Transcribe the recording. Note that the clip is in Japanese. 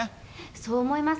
そう思います。